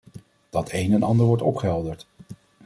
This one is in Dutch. Dat een en ander wordt opgehelderd.